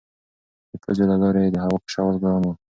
د پوزې له لارې یې د هوا کشول ګران وو.